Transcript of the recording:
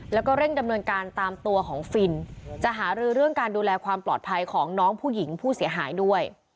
แล้วก็เร่งดำเนินการตามตัวของฟินจะหารือเรื่องการดูแลความปลอดภัยของน้องผู้หญิงผู้เสียหายด้วย